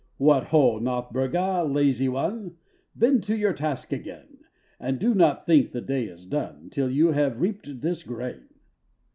"What ho, Nothburga, lazy one! Bend to your task again, And do not think the day is done Till you have reaped this grain."